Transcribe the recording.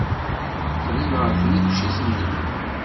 Qqlen ɣer tneččit-nni.